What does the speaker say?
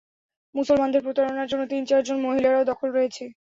মুসলমানদের প্রতারণার মধ্যে তিন-চারজন মহিলারও দখল রয়েছে?